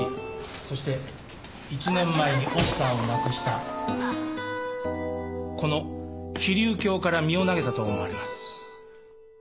そして１年前に奥さんを亡くしたこの飛龍橋から身を投げたと思われます。